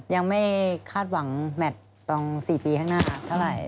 ยังไม่คาดหวังแมทตรง๔ปีข้างหน้าเท่าไหร่